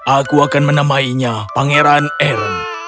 aku akan menamainya pangeran eron